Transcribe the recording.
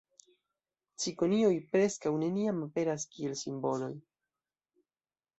Cikonioj preskaŭ neniam aperas kiel simboloj.